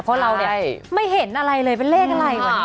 เพราะเราเนี่ยไม่เห็นอะไรเลยเป็นเลขอะไรวันนี้